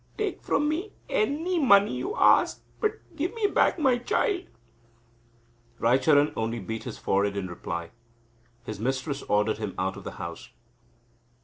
Take from me any money you ask, but give me back my child!" Raicharan only beat his forehead in reply. His mistress ordered him out of the house.